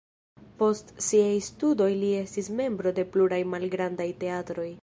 Post siaj studoj li estis membro de pluraj malgrandaj teatroj.